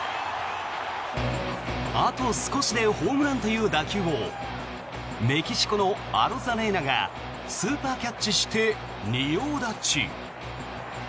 あと少しでホームランという打球をメキシコのアロザレーナがスーパーキャッチして仁王立ち。